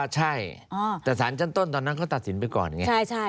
ใช่แต่สารชั้นต้นตอนนั้นเขาตัดสินไปก่อนไง